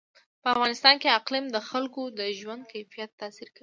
په افغانستان کې اقلیم د خلکو د ژوند په کیفیت تاثیر کوي.